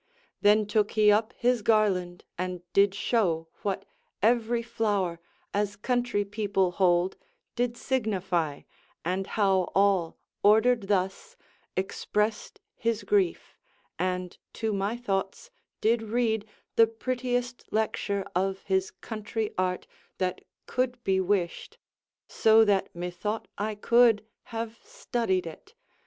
Then took he up his garland, and did show What every flower, as country people hold, Did signify, and how all, ordered thus, Expressed his grief; and, to my thoughts, did read The prettiest lecture of his country art That could be wished: so that methought I could Have studied it.